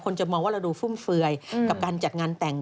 จะมองว่าเราดูฟุ่มเฟือยกับการจัดงานแต่ง